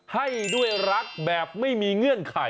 ให้ด้วยรักแบบไม่มีเงื่อนไข